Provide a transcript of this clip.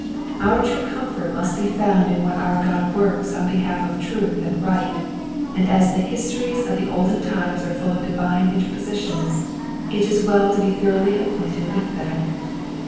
Our true comfort must be found in what our God works on behalf of truth and right, and as the histories of the olden times are full of divine interpositions it is well to be thoroughly acquainted with them.